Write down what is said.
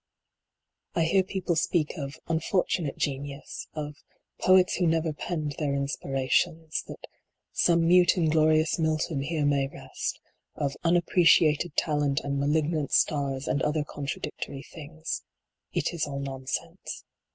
I hear people speak of " unfortunate genius," of " poets who never penned their inspirations ;" that " Some mute inglorious Milton here may rest ;" of "unappreciated talent," and "malignant stars," and other contradictory things. It is all nonsense.